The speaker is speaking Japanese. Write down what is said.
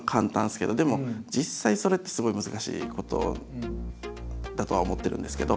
でも実際それってすごい難しいことだとは思ってるんですけど。